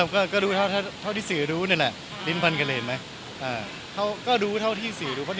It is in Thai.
ออฟเล็กคอร์ดก็ไม่มีแหละครับเท่านั้นแหละครับ